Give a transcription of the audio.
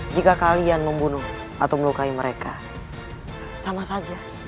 jika kalian membunuh atau melukai mereka sama saja